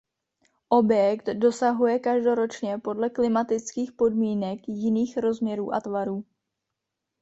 Objekt dosahuje každoročně podle klimatických podmínek jiných rozměrů a tvarů.